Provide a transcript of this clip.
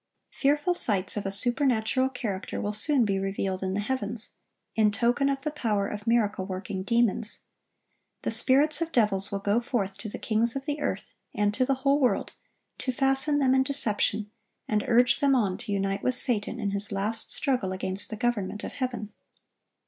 Fearful sights of a supernatural character will soon be revealed in the heavens, in token of the power of miracle working demons. The spirits of devils will go forth to the kings of the earth and to the whole world, to fasten them in deception, and urge them on to unite with Satan in his last struggle against the government of heaven.